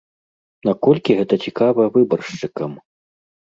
Наколькі гэта цікава выбаршчыкам?